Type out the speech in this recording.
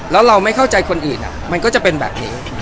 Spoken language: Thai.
แล้วเราไม่เข้าใจคนอื่นมันก็จะเป็นแบบนี้